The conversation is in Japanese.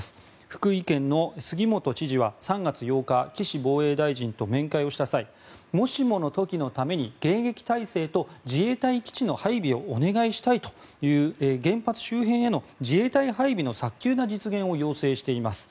福井県の杉本知事は３月８日岸防衛大臣と面会をした際もしもの時のために迎撃態勢と自衛隊基地の配備をお願いしたいという原発周辺への自衛隊配備の早急な実現を要請しています。